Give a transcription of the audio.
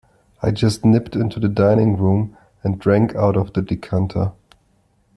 I just nipped into the dining-room and drank out of the decanter.